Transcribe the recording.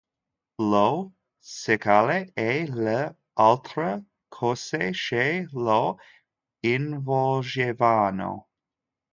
Lo scialle e le altre cose che lo involgevano.